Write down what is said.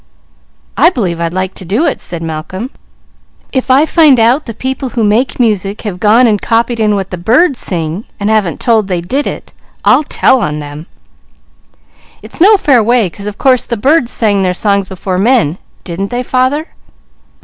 "I believe I'd like to do it," said Malcolm. "If I find out the people who make music have gone and copied in what the birds sing, and haven't told they did it, I'll tell on them. It's no fair way, 'cause of course the birds sang their songs before men, didn't they father?"